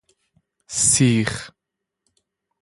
سیخ